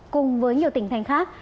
cùng với nhiều tỉnh thành khác